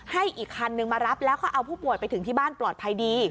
อีกคันนึงมารับแล้วก็เอาผู้ป่วยไปถึงที่บ้านปลอดภัยดี